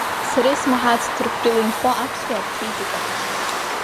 Сара исмаҳац Ҭырқәтәыла инхо аԥсуаа рчеиџьыка ҳәа.